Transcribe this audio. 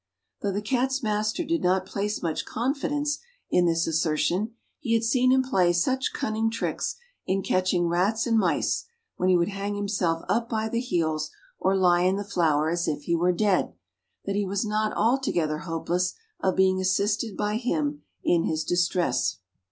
Though the Cat's master did not place much confidence in this assertion, he had seen him play such cunning tricks in catching rats and mice, when he would hang himself up by the heels, or lie in the flour as if he were dead, that he was not altogether hopeless of being assisted by him in his distress.